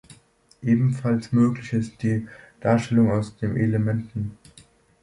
Ebenfalls möglich ist die Darstellung aus den Elementen.